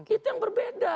itu yang berbeda